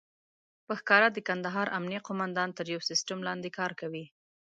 په ښکاره د کندهار امنيه قوماندان تر يو سيستم لاندې کار کوي.